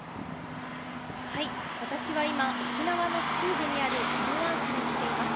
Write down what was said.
私は今、沖縄の中部にある宜野湾市に来ています。